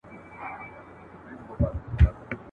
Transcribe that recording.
انګرېزانو به خپله ماته منلې وي.